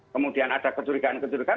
kemudian ada kecurigaan kecurigaan